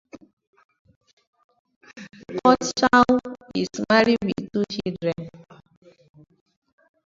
Kotschau is married with two children.